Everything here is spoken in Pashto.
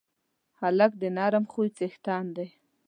هلک د نرم خوی څښتن دی.